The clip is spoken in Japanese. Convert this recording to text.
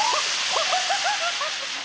ハハハハハ！